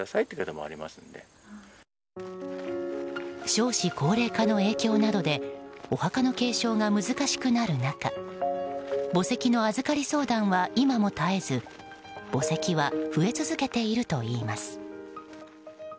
少子高齢化の影響などでお墓の継承が難しくなる中墓石の預かり相談は今も絶えず墓石は増え続けているといいます。